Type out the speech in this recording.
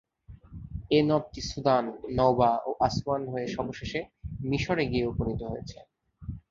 এ নদটি সুদান, নওবা ও আসওয়ান হয়ে অবশেষে মিসরে গিয়ে উপনীত হয়েছে।